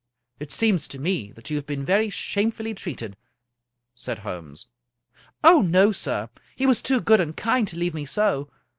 " It seems to me that you have been very shamefully treated," said Holmes. " Oh, no, sir I He was too good and kind to leave me so.